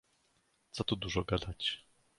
"Co tu dużo gadać."